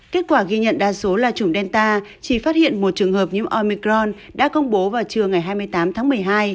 kết quả ghi nhận đa số là chủng delta chỉ phát hiện một trường hợp nhiễm omicron đã công bố vào trưa ngày hai mươi tám tháng một mươi hai